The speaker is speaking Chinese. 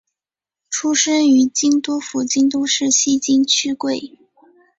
出身于京都府京都市西京区桂。